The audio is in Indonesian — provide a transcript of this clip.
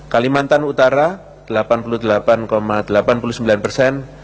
kalimantan utara delapan puluh delapan delapan puluh sembilan persen